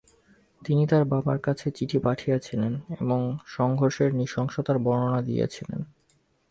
তিনি তার বাবার কাছে চিঠি পাঠিয়েছিলেন এবং সংঘর্ষের নৃশংসতার বর্ণনা দিয়েছিলেন।